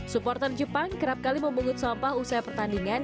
supporter jepang kerap kali memungut sampah usai pertandingan